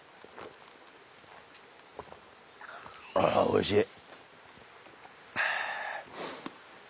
ああおいしい。